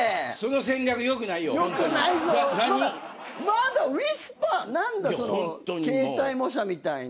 まだウィスパー何だその形態模写みたいな。